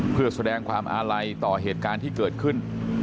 เพื่อแสดงความอาลัยต่อเหตุการณ์ที่เกิดขึ้น